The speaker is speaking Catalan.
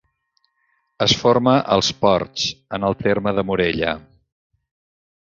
Es forma als Ports, en el terme de Morella.